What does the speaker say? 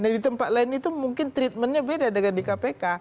nah di tempat lain itu mungkin treatmentnya beda dengan di kpk